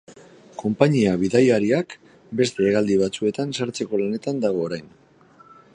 Konpainia bidaiariak beste hegaldi batzuetan sartzeko lanetan dago orain.